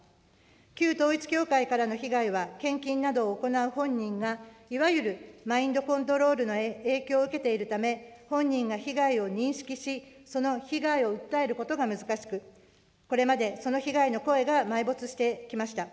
旧統一教会からの被害は、献金などを行う本人が、いわゆるマインドコントロールの影響を受けているため、本人が被害を認識し、その被害を訴えることが難しく、これまで、その被害の声が埋没してきました。